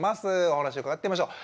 お話を伺ってみましょう。